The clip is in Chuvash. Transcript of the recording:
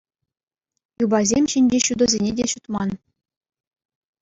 Юпасем ҫинчи ҫутӑсене те ҫутман.